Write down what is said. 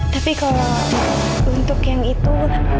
tapi kalau untuk yang itu